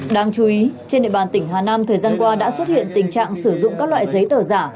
đáng chú ý trên địa bàn tỉnh hà nam thời gian qua đã xuất hiện tình trạng sử dụng các loại giấy tờ giả